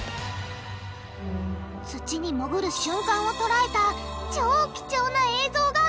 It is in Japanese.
土にもぐる瞬間を捉えた超貴重な映像がこちら！